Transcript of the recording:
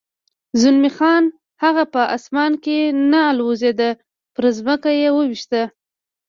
زلمی خان: هغه په اسمان کې نه الوزېد، پر ځمکه دې و وېشت.